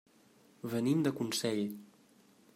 Venim de Consell.